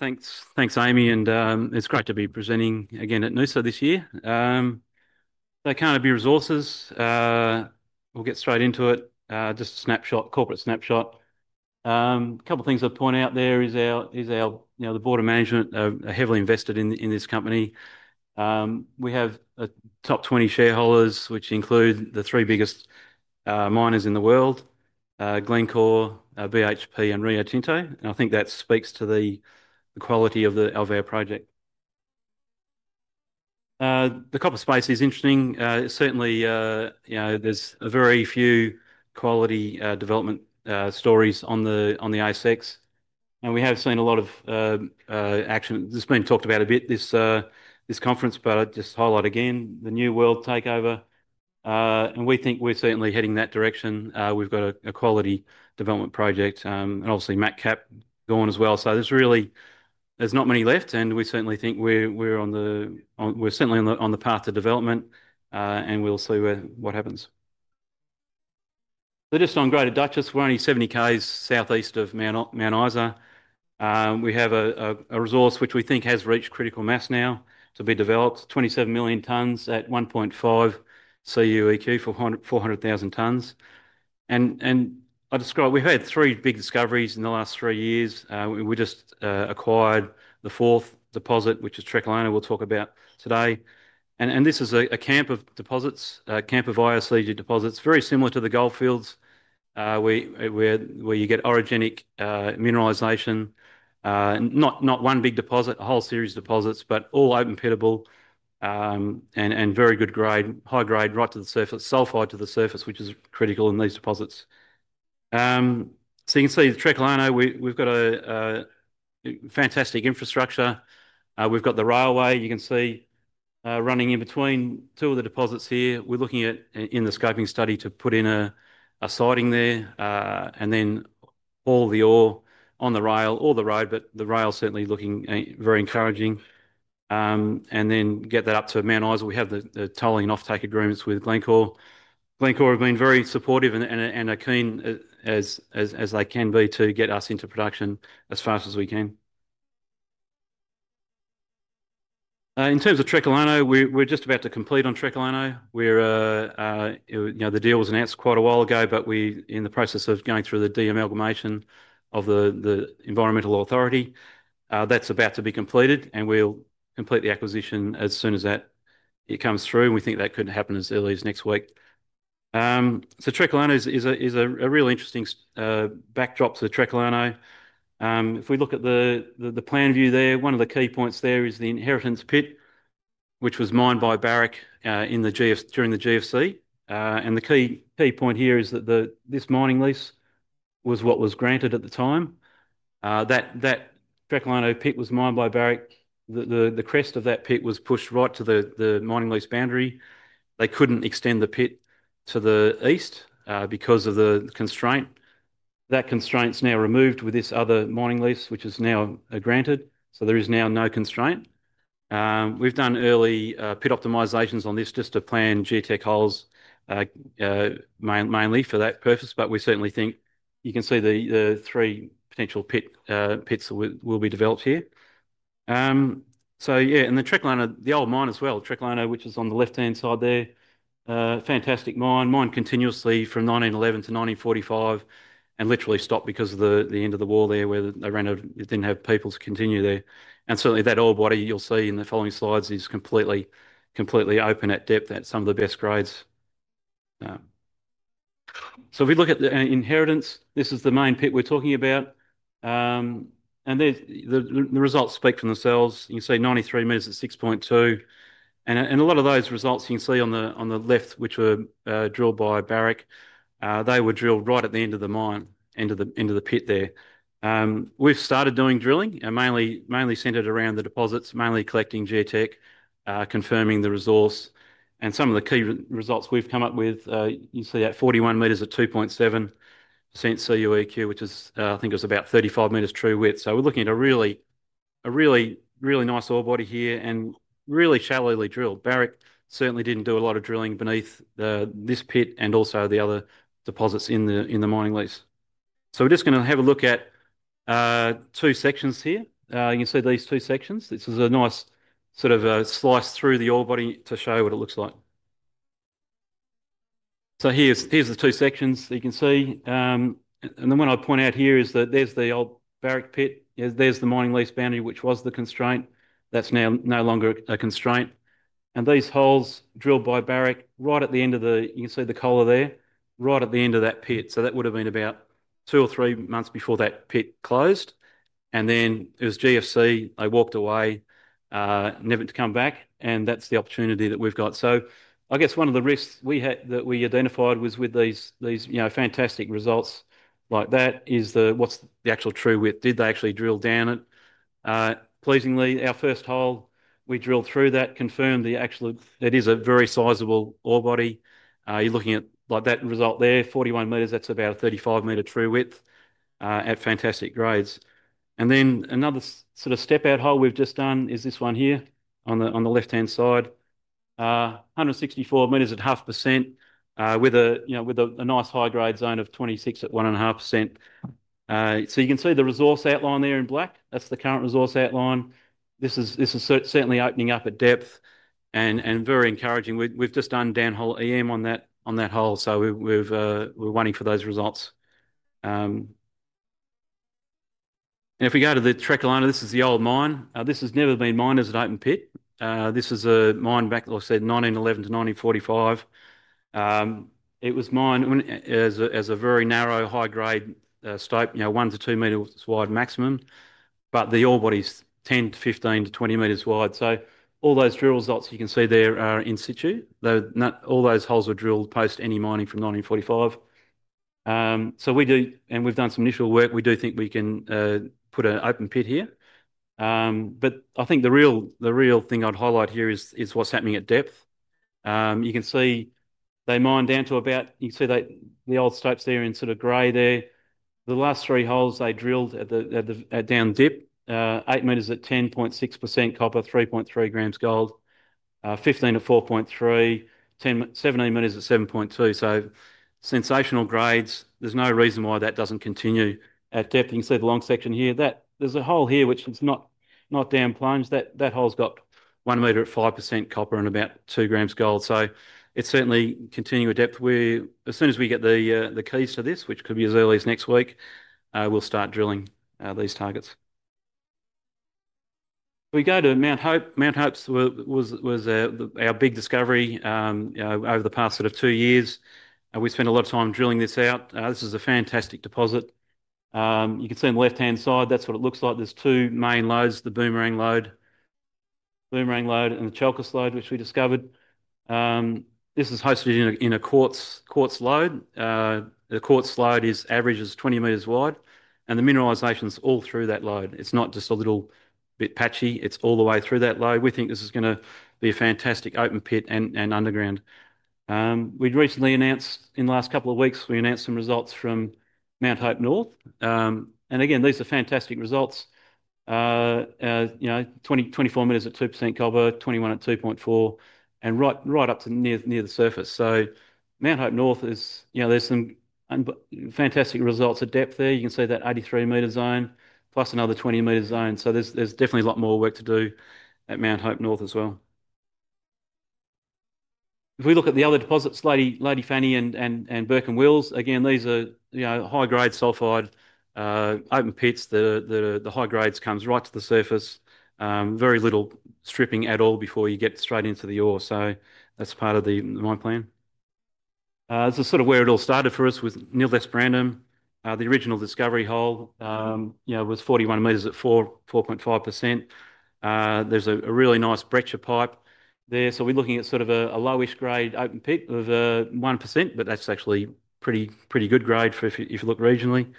Thanks. Thanks, Amy. And it's great to be presenting again at Noosa this year. They can't be resources. We'll get straight into it. Just a snapshot corporate snapshot. Couple of things I'd point out there is our is our you know, the board of management are heavily invested in in this company. We have top 20 shareholders, which include the three biggest miners in the world, Glencore, BHP and Rio Tinto. And I think that speaks to the the quality of the of our project. The copper space is interesting. Certainly, you know, there's a very few quality development stories on the on the ice x. And we have seen a lot of action. This has been talked about a bit this this conference, but I'll just highlight again the new world takeover. And we think we're certainly heading that direction. We've got a quality development project, and, obviously, MacCap going as well. So there's really not many left, and we certainly think we're certainly on the path to development, and we'll see what happens. We're on Greater Duchess. We're only 70 ks southeast of Mount Isa. We have a resource which we think has reached critical mass now to be developed, 27,000,000 tonnes at 1.5 cue, 400,000 tonnes. And I described we've had three big discoveries in the last three years. We just acquired the fourth deposit, which is Treklaona we'll talk about today. And and this is a a camp of deposits, a camp of diocese deposits. Very similar to the goldfields where where where you get orogenic mineralization. Not not one big deposit, a whole series of deposits, but all open pitable and and very good grade, high grade right to the surface, sulfide to the surface, which is critical in these deposits. So you can see Trekilano, we we've got a fantastic infrastructure. We've got the railway. You can see running in between two of the deposits here. We're looking at in the scoping study to put in a a siding there, and then all the ore on the rail or the road, but the rail is certainly looking very encouraging. And then get that up to Mount Isa. We have the the towing offtake agreements with Glencore. Glencore have been very supportive and and and are keen as they can be to get us into production as fast as we can. In terms of Trekalano, we're just about to complete on Trekalano. The deal was announced quite a while ago, but we're in the process of going through the demalgamation of the the environmental authority. That's about to be completed, and we'll complete the acquisition as soon as that it comes through. We think that could happen as early as next week. So Trekolano is is a is a a real interesting backdrop to Trekolano. If we look at the the the plan view there, one of the key points there is the Inheritance Pit, which was mined by Barrick in the g f during the GFC. And the key key point here is that this mining lease was what was granted at the time. That Trekalino Pit was mined by Barrick. Crest of that pit was pushed right to the the mining lease boundary. They couldn't extend the pit to the east because of the constraint. That constraint is now removed with this other mining lease, which is now granted, so there is now no constraint. We've done early pit optimizations on this just to plan geotech holes mainly for that purpose, but we certainly think you can see the the three potential pit pits will will be developed here. So yeah. And the Trekliner the old mine as well, Trekliner, is on the left hand side there, fantastic mine. Mine continuously from 1911 to 1945 and literally stopped because of the the end of the wall there where they ran out it didn't have people to continue there. And, certainly, that old body, you'll see in the following slides, is completely completely open at depth at some of the best grades. So if we look at the inheritance, this is the main pit we're talking about. And the the results speak from the cells. You can see 93 meters at 6.2. And a and a lot of those results you can see on the on the left, which were drilled by Barrick, they were drilled right at the end of the mine, end of the end of the pit there. We've started doing drilling and mainly mainly centered around the deposits, mainly collecting geotech, confirming the resource. And some of the key results we've come up with, you see at 41 meters of 2.7 since CUEQ, which is, I think, was about 35 meters true width. So we're looking at a really a really, really nice ore body here and really shallowly drilled. Barrick certainly didn't do a lot of drilling beneath this pit and also the other deposits in the mining lease. So we're just gonna have a look at two sections here. You can see these two sections. This is a nice sort of a slice through the ore body to show you what it looks like. So here's here's the two sections that you can see. And the one I'll point out here is that there's the old barrack pit. There's the mining lease boundary, which was the constraint. That's now no longer a constraint. And these holes drilled by Barrick right at the end of the you can see the color there, right at the end of that pit. So that would have been about two or three months before that pit closed. And then it was GFC. They walked away, never to come back, and that's the opportunity that we've got. So I guess one of the risks we had that we identified was with these these, you know, fantastic results like that is the what's the actual true width? Did they actually drill down it? Pleasingly, our first hole, we drilled through that, confirmed the actual that is a very sizable ore body. You're looking at, like, that result there, 41 meters. That's about a 35 meter true width at fantastic grades. And then another sort of step out hole we've just done is this one here on the on the left hand side. 164 meters at half percent with a, you know, with a nice high grade zone of 26 at one and a half percent. So you can see the resource outline there in black. That's the current resource outline. This is this is certainly opening up at depth and and very encouraging. We've we've just done downhole EM on that on that hole, so we we've we're wanting for those results. And if we go to the Trekkolana, this is the old mine. This has never been mined as an open pit. This is a mine back, as said, 1911 to 1945. It was mined as a as a very narrow high grade stope, you know, one to two meters wide maximum, but the ore body's 10 to 15 to 20 meters wide. So all those drill results you can see there are in situ. All those holes are drilled post any mining from 1945. So we do and we've done some initial work. We do think we can put an open pit here. But I think the real the real thing I'd highlight here is is what's happening at depth. You can see they mined down to about you can see the old stopes there in sort of gray there. The last three holes, drilled at the at the at down dip, eight meters at 10.6% copper, 3.3 grams gold, 15 to 4.3, 17 meters at 7.2. So sensational grades, there's no reason why that doesn't continue at depth. Can see the long section here. There's a hole here which is not down plunged. That hole's got one meter at 5% copper and about two grams gold. So it's certainly continuing with depth. As soon as we get the the case to this, which could be as early as next week, we'll start drilling these targets. We go to Mount Hope. Mount Hope was was our big discovery, you know, over the past sort of two years. We spent a lot of time drilling this out. This is a fantastic deposit. You can see on the left hand side, that's what it looks like. There's two main loads, the Boomerang load Boomerang load and the Chalcas load, which we discovered. This is hosted in quartz quartz load. The quartz load is average is 20 meters wide, and the mineralization is all through that load. It's not just a little bit patchy. It's all the way through that load. We think this is gonna be a fantastic open pit and and underground. We'd recently announced in the last couple of weeks, we announced some results from Mount Hope North. And, these are fantastic results. You know, twenty twenty four meters at two percent copper, 21 at 2.4, and right right up to near near the surface. So Mount Hope North is you know, there's some fantastic results of depth there. You can see that 83 meter zone plus another 20 meter zone. So there's there's definitely a lot more work to do at Mount Hope North as well. If we look at the other deposits, Lady Lady Fanny and and and Burke And Wills, again, these are, you know, high grade sulfide open pits. The the the high grades comes right to the surface. Very little stripping at all before you get straight into the ore. So that's part of the mine plan. This is sort of where it all started for us with Nildesbrandham. The original discovery hole, you know, was 41 meters at 44.5%. There's a a really nice breccia pipe there. So we're looking at sort of a a lowish grade open pit of 1%, but that's actually pretty pretty good grade if you if you look regionally.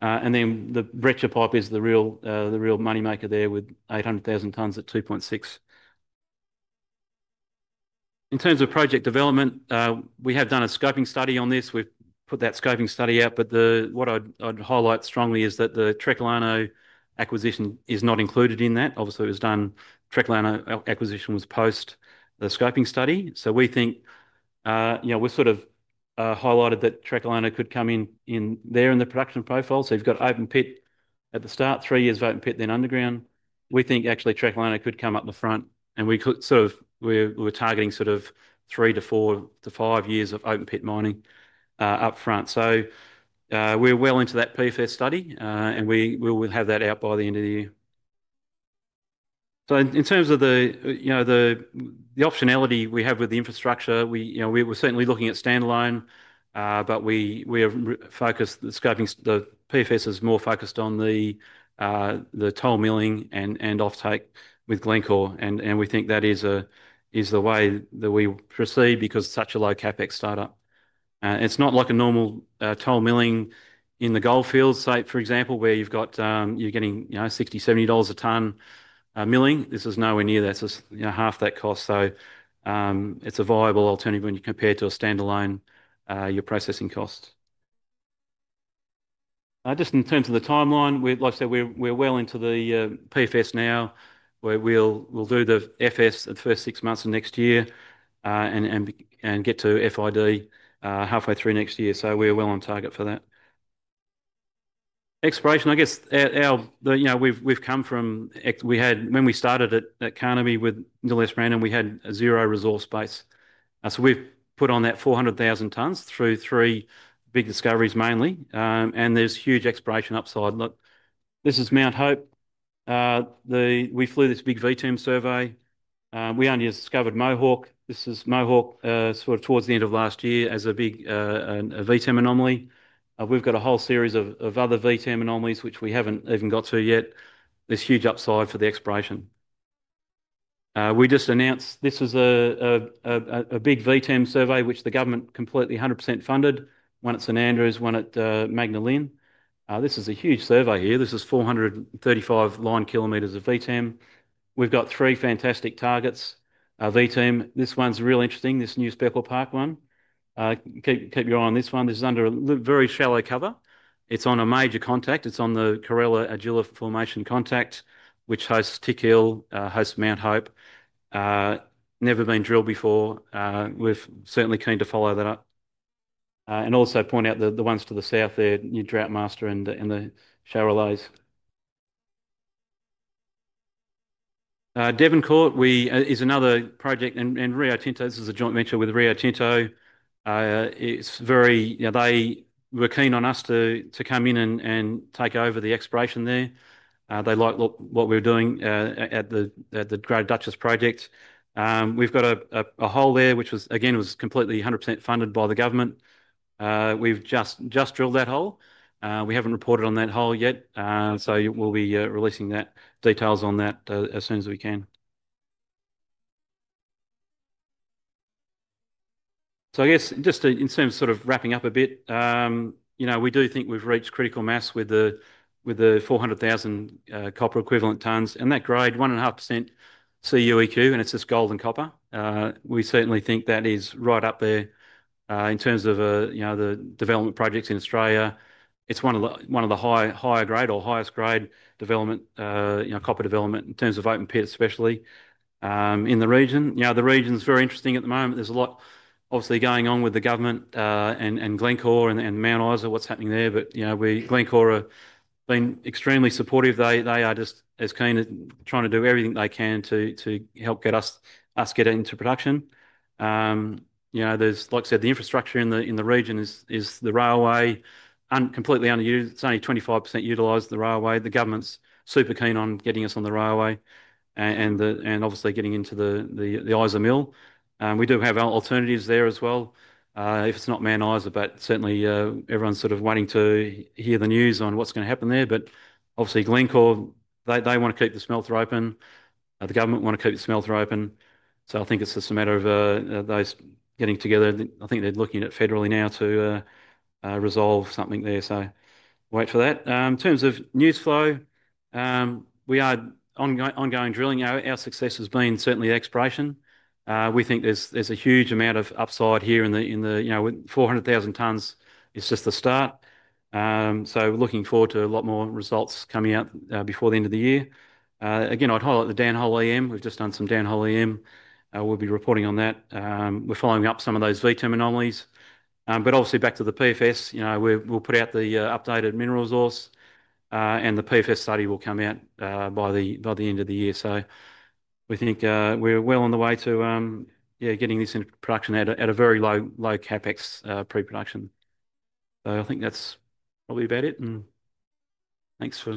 And then the breccia pipe is the real the real moneymaker there with 800,000 tonnes at 2.6. In terms of project development, we have done a scoping study on this. We've put that scoping study out, but the what I'd I'd highlight strongly is that the Trekilano acquisition is not included in that. Obviously, it was done Trekilano acquisition was post the scoping study. So we think, you know, we sort of highlighted that Trek Alona could come in in there in the production profile. So you've got open pit at the start, three years of open pit, then underground. We think, actually, Trek Alona could come up the front, and we could sort of we're we're targeting sort of three to four to five years of open pit mining up front. So we're well into that PFAS study, and we we will have that out by the end of the year. So in terms of the, you know, the optionality we have with the infrastructure, we you know, we were certainly looking at stand alone, but we we have focused the scoping the PFS is more focused on the the toll milling and and offtake with Glencore, and and we think that is a is the way that we proceed because it's such a low CapEx start up. It's not like a normal toll milling in the Goldfield site, for example, where you've got you're getting, you know, $60.70 dollars a ton milling. This is nowhere near that, so half that cost. So it's a viable alternative when you compare it to a stand alone, your processing cost. Just in terms of the time line, we like I said, we're well into the PFS now, where we'll we'll do the FS in the first six months of next year and and and get to FID halfway through next year. So we're well on target for that. Exploration, I guess, come from when we started at Connolly with Gillespie Random, we had zero resource base. So we've put on that 400,000 tonnes through three big discoveries mainly, and there's huge exploration upside. This is Mount Hope. We flew this big V Term survey. We only discovered Mohawk. This is Mohawk towards the end of last year as a big V Term anomaly. We've got a whole series of other V Term anomalies, which we haven't even got to yet. There's huge upside for the exploration. We just announced this is a a big VTEM survey, which the government completely 100% funded, one at Saint Andrews, one at Magdalene. This is a huge survey here. This is 435 line kilometers of VTEM. We've got three fantastic targets of VTEM. This one's really interesting, this new Speckle Park one. Keep keep your eye on this one. This is under a very shallow cover. It's on a major contact. It's on the Corella Agila formation contact, which hosts Tick Hill, hosts Mount Hope. Never been drilled before. We're certainly keen to follow that up. And also point out the ones to the south there, Droughtmaster and Charolais. Devon Court is another project, and Rio Tinto is a joint venture with Rio Tinto. It's very you know, they were keen on us to to come in and and take over the exploration there. They like what what we're doing at the the the Great Duchess project. We've got a a a hole there, which was, again, was completely 100% funded by the government. We've just drilled that hole. We haven't reported on that hole yet, so we'll be releasing the details on that as soon as we can. So, I guess, just in terms of wrapping up a bit, you know, we do think we've reached critical mass with the with the 400,000 copper equivalent tonnes. And that grade, one and a half percent CUEQ, and it's just gold and copper. We certainly think that is right up there in terms of, you know, the development projects in Australia. It's one of the one of the high higher grade or highest grade development, you know, copper development in terms of open pit especially in the region. You know, the region's very interesting at the moment. There's a lot, obviously, going on with the government and and Glencore and and Mount Isa, what's happening there. But, you know, we Glencore have been extremely supportive. They they are just as kind of trying to do everything they can to to help get us us get into production. You know, there's like I said, the infrastructure in the in the region is is the railway and completely unused. It's only 25% utilized the railway. The government's super keen on getting us on the railway and and the and, obviously, getting into the the Isa Mill. We do have our alternatives there as well. If it's not man eyes, certainly, everyone's sort of wanting to hear the news on what's gonna happen there. But, obviously, Glencore, they they wanna keep the smelter open. The government wanna keep the smelter open. So I think it's just a matter of those getting together. I think they're looking at federally now to resolve something there, so wait for that. In terms of news flow, we had ongoing drilling. Our our success has been certainly exploration. We think there's there's a huge amount of upside here in the in the you know, with 400,000 tonnes, it's just the start. So we're looking forward to a lot more results coming out before the end of the year. Again, I'd highlight the Danhole EM. We've just done some Danhole EM. We'll be reporting on that. We're following up some of those V terminologies. But, obviously, back to the PFS, you know, we'll we'll put out the updated mineral resource, and the PFS study will come out by the by the end of the year. So we think we're well on the way to, yeah, getting this into production at a at a very low low CapEx preproduction. I think that's probably about it, and thanks for